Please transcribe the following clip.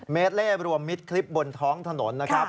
เล่รวมมิตรคลิปบนท้องถนนนะครับ